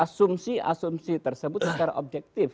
asumsi asumsi tersebut secara objektif